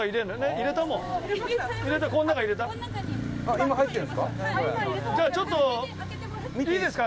伊達：今、入ってるんですか？